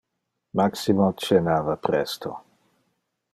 Maximo cenava presto.